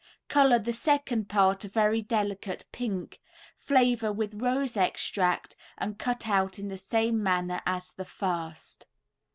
Color the second part a very delicate pink, flavor with rose extract and cut out in the same manner as the first.